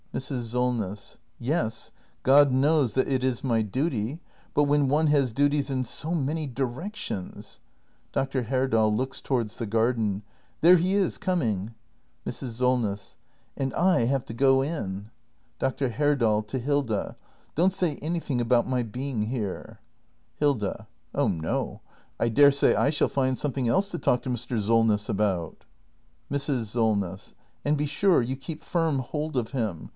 Mrs. Solness. Yes; God knows that is m y duty. But when one has duties in so many directions Dr. Herdal. [Looks towards tJie garden.] There he is coming. Mrs. Solness. And I have to go in! 420 THE MASTER BUILDER [act hi Dr. Herdal. [To Hilda.] Don't say anything about my being here. Hilda. Oh no! I daresay I shall find something else to talk to Mr. Solness about. Mrs. Solness. And be sure you keep firm hold of him.